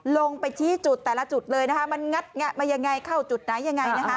ลงไปที่จุดแต่ละจุดเลยมันงัดมาอย่างไรเข้าจุดไหนอย่างไร